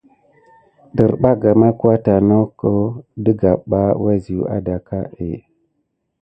Desbarga makuata noko ɗegamɓa wusi aɗak é.